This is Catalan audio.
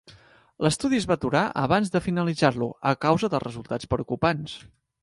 L'estudi es va aturar abans de finalitzar-lo a causa dels resultats preocupants.